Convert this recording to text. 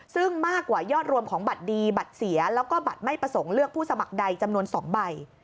ซึ่งมากกว่ายอดรวมของบัตรดีบัตรเสียแล้วก็บัตรไม่ประสงค์เลือกผู้สมัครใดจำนวน๒ใบ